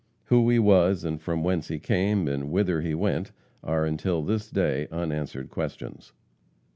Who he was, from whence he came, and whither he went, are, until this day, unanswered questions.